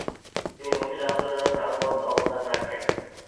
তিনি মহিলা আন্দোলনে প্রাণবন্ত অবদান রাখেন।